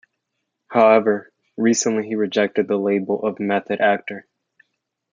However, recently he rejected the label of "method actor".